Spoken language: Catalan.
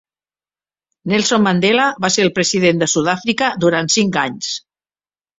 Nelson Mandela va ser el president de Sud-àfrica durant cinc anys.